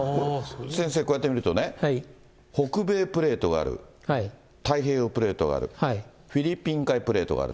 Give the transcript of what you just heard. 先生、こうやって見るとね、北米プレートがある、太平洋プレートがある、フィリピン海プレートがある。